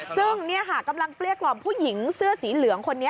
ซึ่งนี่ค่ะกำลังเกลี้ยกล่อมผู้หญิงเสื้อสีเหลืองคนนี้